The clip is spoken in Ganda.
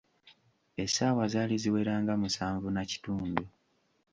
Essaawa zaali ziwera nga musanvu na kitundu.